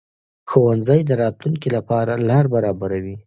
ښوونځی د راتلونکي لپاره لار برابروي